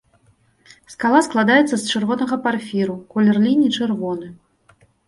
Скала складаецца з чырвонага парфіру, колер ліній чырвоны.